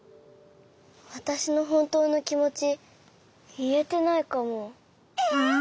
わたしのほんとうのきもちいえてないかも。え！？